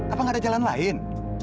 apa nggak ada jalan lain